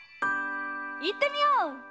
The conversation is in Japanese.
いってみよう！